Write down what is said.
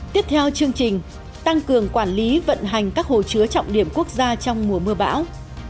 tiếp theo chương trình tăng cường quản lý vận hành các hồ chứa trọng điểm quốc gia trong mùa mưa bão